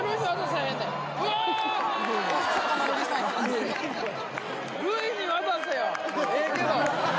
ええけど。